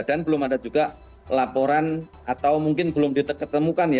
dan belum ada juga laporan atau mungkin belum ditemukan